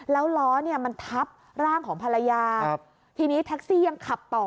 แล้วล้อเนี่ยมันทับร่างของภรรยาทีนี้แท็กซี่ยังขับต่อ